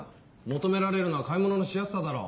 求められるのは買い物のしやすさだろ。